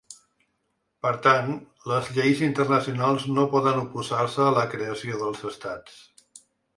Per tant, les lleis internacionals no poden oposar-se a la creació dels estats.